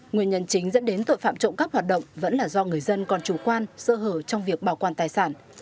nguyên nhân chính dẫn đến tội phạm trộm cắp hoạt động vẫn là do người dân còn chủ quan sơ hở trong việc bảo quản tài sản